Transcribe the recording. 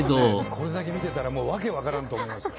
これだけ見てたらもう訳分からんと思いますよ。